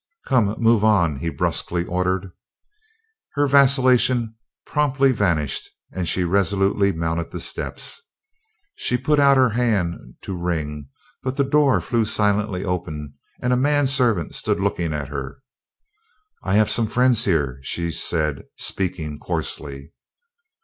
"Come, move on," he brusquely ordered. Her vacillation promptly vanished, and she resolutely mounted the steps. She put out her hand to ring, but the door flew silently open and a man servant stood looking at her. "I have some friends here," she said, speaking coarsely.